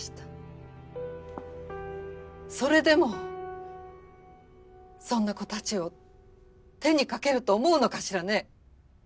それでもそんな子たちを手にかけると思うのかしらね？